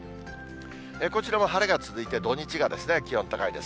こちらも晴れが続いて、土日が気温高いです。